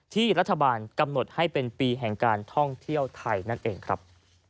ที่รัฐบาลกำหนดให้เป็นปีแห่งการท่องเที่ยวไทยนั่นเองครับ